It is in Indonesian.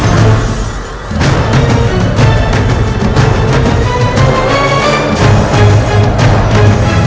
selasi selasi bangun